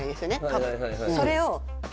多分それを私